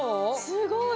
すごい！